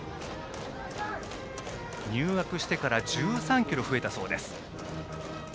入学してから１３ｋｇ増えたそうです。